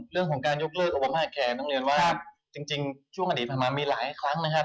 เรื่องของการยกเลิกโอปมาร์แคร์ต้องเรียนว่าจริงช่วงอดีตผ่านมามีหลายครั้งนะครับ